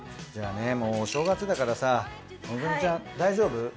じゃあねもうお正月だからさ希ちゃん大丈夫？